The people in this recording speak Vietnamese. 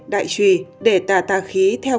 đại trùy để tà tà khí theo